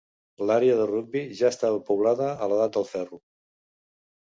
L'àrea de Rugby ja estava poblada a l'edat del ferro.